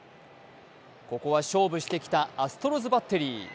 ここは勝負してきたアストロズバッテリー。